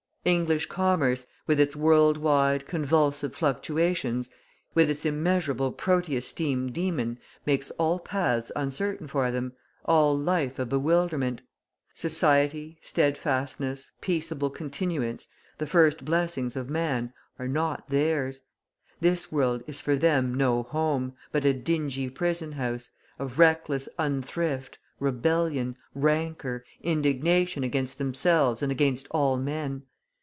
English commerce, with its world wide, convulsive fluctuations, with its immeasurable Proteus Steam demon, makes all paths uncertain for them, all life a bewilderment; society, steadfastness, peaceable continuance, the first blessings of man are not theirs. This world is for them no home, but a dingy prison house, of reckless unthrift, rebellion, rancour, indignation against themselves and against all men.